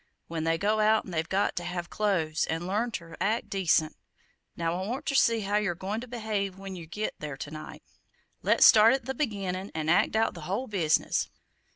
When they go out they've got to have close, and learn ter act decent! Now, I want ter see how yer goin' to behave when yer git there to night. Let's start in at the beginnin' 'n act out the whole business.